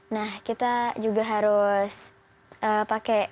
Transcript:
nah kita juga harus pakai pakaian yang